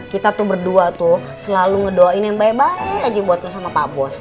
kita tuh berdua tuh selalu ngedoain yang baik baik aja buat bersama pak bos